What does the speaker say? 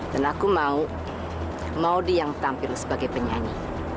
dan aku mau maudie yang tampil sebagai penyanyi